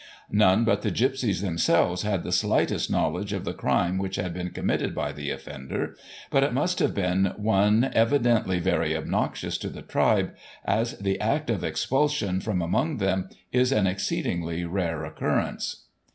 None but the gipsies themselves had the slightest knowledge of the crime which had been committed by the offender, but it must have been one evidently very obnoxious to the tribe, as the act of expulsion from among them is an exceedingly rare occurrence.